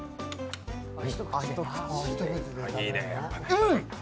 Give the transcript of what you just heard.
うん！